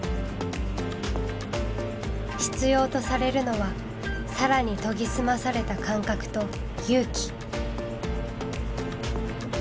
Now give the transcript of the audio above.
必要とされるのは更に研ぎ澄まされた感覚と勇気。